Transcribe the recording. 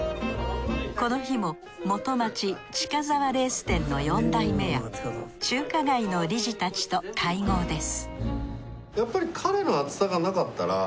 この日も元町近澤レース店の四代目や中華街の理事たちと会合です